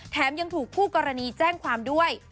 ยังถูกคู่กรณีแจ้งความด้วย